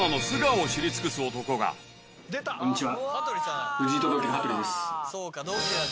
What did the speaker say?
こんにちは。